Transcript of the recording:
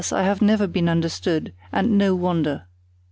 I have never been understood, and no wonder.